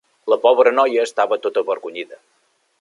La pobra noia estava tota avergonyida.